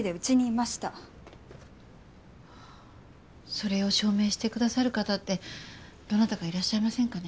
それを証明してくださる方ってどなたかいらっしゃいませんかね？